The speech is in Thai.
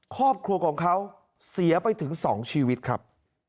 ครอบครัวของเขาเสียไปถึง๒ชีวิตครับ